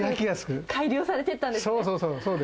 改良されていったんですね。